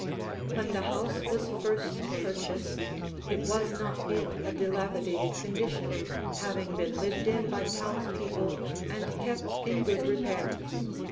When the house was first purchased, it was not in a dilapidated condition, having been lived in by townspeople and kept in good repair.